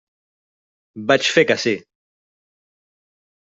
Vaig fer que sí.